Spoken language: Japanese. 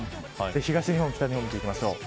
東日本北日本、見ていきましょう。